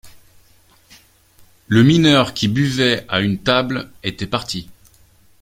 Le mineur qui buvait à une table était parti.